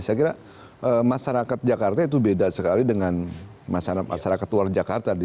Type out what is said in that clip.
saya kira masyarakat jakarta itu beda sekali dengan masyarakat luar jakarta